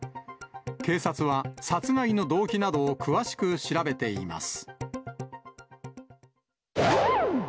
警察は殺害の動機などを詳しく調べています。